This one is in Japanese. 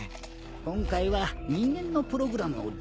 今回は人間のプログラムを利用しとる。